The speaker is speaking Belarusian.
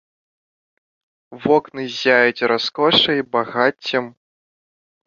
Вокны ззяюць раскошай, багаццем.